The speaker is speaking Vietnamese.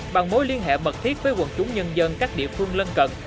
bằng mối liên hệ mật thiết với quần chúng nhân dân các địa phương lân cận